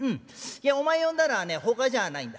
いやお前呼んだのはねほかじゃあないんだ。